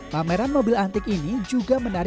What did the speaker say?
pameran mobil antik ini juga menarik